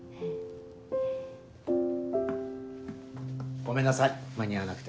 ごめんなさい間に合わなくて。